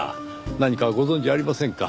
何かご存じありませんか？